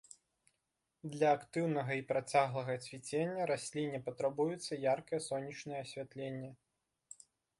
Для актыўнага і працяглага цвіцення расліне патрабуецца яркае сонечнае асвятленне.